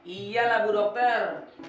iya lah bu doper